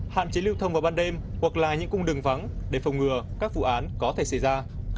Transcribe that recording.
hạn chế lưu thông vào ban đêm hoặc là những cung đường vắng để phòng ngừa các vụ án có thể xảy ra